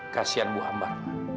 kasian bu ambar